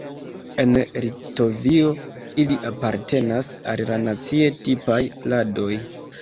En Litovio ili apartenas al la nacie tipaj pladoj.